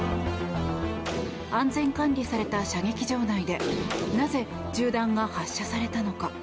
安全管理された射撃場内でなぜ銃弾が発射されたのか？